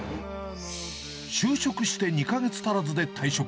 就職して２か月足らずで退職。